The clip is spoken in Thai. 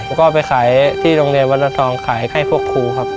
แล้วก็ไปขายที่โรงเรียนวันละทองขายให้พวกครูครับ